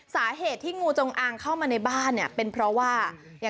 สาเหตุที่งูจงอางเข้ามาในบ้านเนี่ยเป็นเพราะว่า